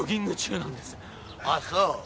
あっそう。